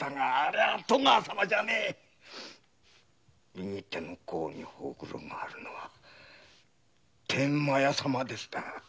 右手の甲に黒子があるのは天満屋様ですだ。